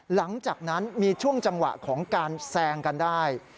หลังจากนั้นมีช่วงจังหวะของการแซงกันได้